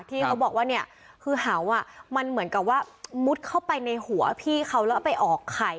ที่เขาบอกว่าเนี่ยคือเห่าอ่ะมันเหมือนกับว่ามุดเข้าไปในหัวพี่เขาแล้วไปออกไข่